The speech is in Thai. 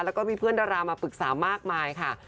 แล้วก็มีเพื่อนดารามาปรึกษามากมายค่ะ